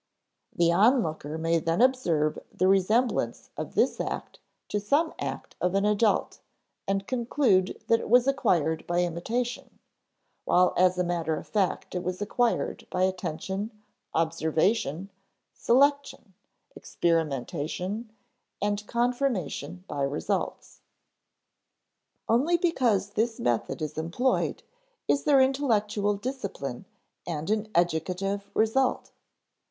The onlooker may then observe the resemblance of this act to some act of an adult, and conclude that it was acquired by imitation, while as a matter of fact it was acquired by attention, observation, selection, experimentation, and confirmation by results. Only because this method is employed is there intellectual discipline and an educative result.